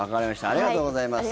ありがとうございます。